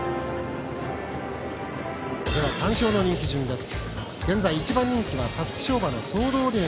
単勝の人気順です。